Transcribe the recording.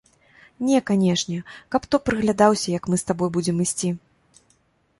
Не канечне, каб хто прыглядаўся, як мы з табой будзем ісці.